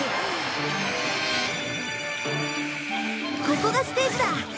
ここがステージだ。